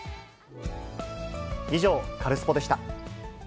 以上、カルスポっ！でした。